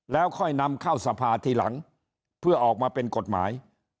แล้วค่อยนำเข้าสภาทีหลังเพื่อออกมาเป็นกฎหมาย